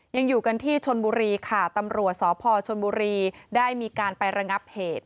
ยังอยู่กันที่ชนบุรีค่ะตำรวจสพชนบุรีได้มีการไประงับเหตุ